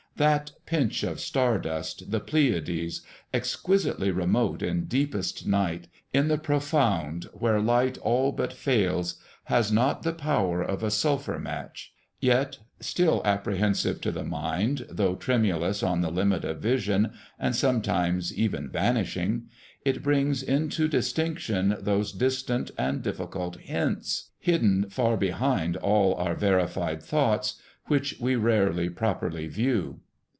That pinch of star dust, the Pleiades, exquisitely remote in deepest night, in the profound where light all but fails, has not the power of a sulphur match; yet, still apprehensive to the mind though tremulous on the limit of vision, and sometimes even vanishing, it brings into distinction those distant and difficult hints hidden far behind all our verified thoughts which we rarely properly view.